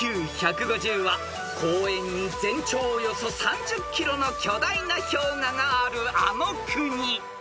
［ＩＱ１５０は公園に全長およそ３０ｋｍの巨大な氷河があるあの国］